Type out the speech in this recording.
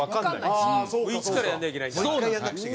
一からやらなきゃいけないんだ。